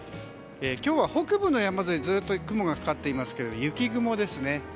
今日は北部の山沿いにずっと雲がかかっていますが雪雲ですね。